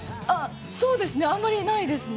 そうですね、あんまりないですね。